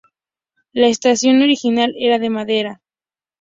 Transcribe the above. La estación original era de madera.